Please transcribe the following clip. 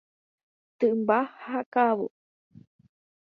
Tymba ha ka'avo.